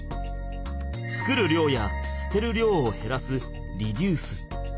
作る量や捨てる量をへらすリデュース。